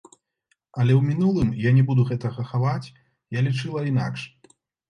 Але ў мінулым, я не буду гэтага хаваць, я лічыла інакш.